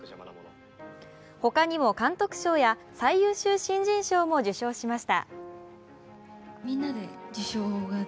他にも監督賞や最優秀新人賞も受賞しました。